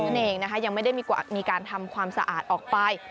นั่นเองนะคะยังไม่ได้มีการทำความสะอาดออกไป